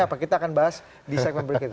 apa kita akan bahas di segmen berikutnya